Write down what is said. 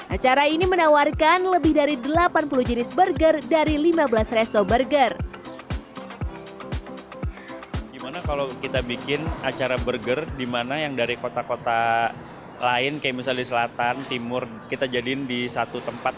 acara ini menawarkan lebih dari delapan puluh jenis burger dari lima belas resto burger